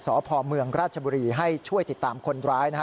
สพเมืองราชบุรีให้ช่วยติดตามคนร้ายนะฮะ